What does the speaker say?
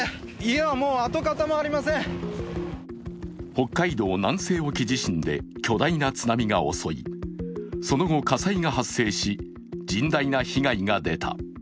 北海道南西沖地震で巨大な津波が襲いその後、火災が発生し、甚大な被害が出た。